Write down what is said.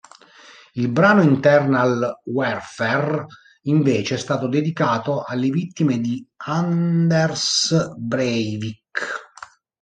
Il brano "Internal Warfare", invece, è stato dedicato alle vittime di Anders Breivik.